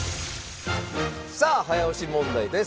さあ早押し問題です。